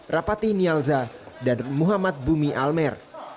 rapati nialza dan muhammad bumi almer